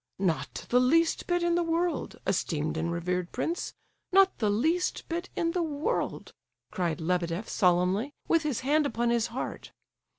"Not the least bit in the world, esteemed and revered prince! Not the least bit in the world!" cried Lebedeff, solemnly, with his hand upon his heart.